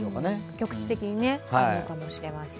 局地的にあるかもしれません。